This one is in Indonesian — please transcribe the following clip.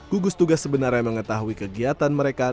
gugus tugas sebenarnya mengetahui kegiatan mereka